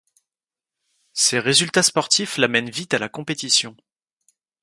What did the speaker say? Ses résultats sportifs l'amènent vite à la compétition.